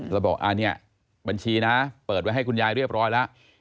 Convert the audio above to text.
แล้วบอกอันนี้บัญชีนะเปิดไว้ให้คุณยายเรียบร้อยแล้ว